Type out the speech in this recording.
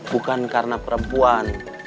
bukan karena perempuan